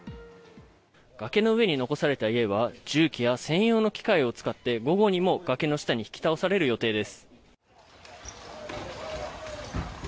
掛けの上に残された家は重機や専用の機械を使って午後にも崖の下に引き倒される予定です。